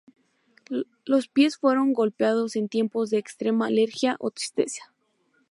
Los pies fueron golpeados en tiempos de extrema alegría o tristeza.